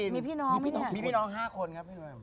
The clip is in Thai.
มีพี่น้อง๕คนครับ